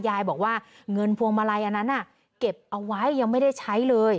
ยายบอกว่าเงินพวงมาลัยอันนั้นเก็บเอาไว้ยังไม่ได้ใช้เลย